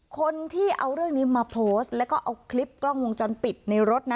คนที่เอาเรื่องนี้มาโพสต์แล้วก็เอาคลิปกล้องวงจรปิดในรถนะ